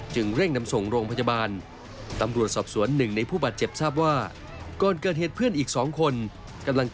จึงเร่งนำส่งโรงพยาบาล